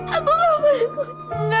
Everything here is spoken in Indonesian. aku mau berguna